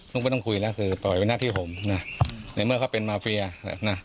ไม่ต้องคุยแล้วคือปล่อยเป็นหน้าที่ผมนะในเมื่อเขาเป็นมาเฟียนะ